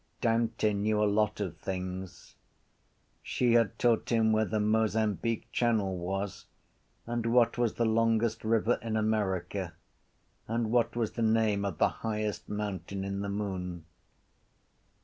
Dante knew a lot of things. She had taught him where the Mozambique Channel was and what was the longest river in America and what was the name of the highest mountain in the moon.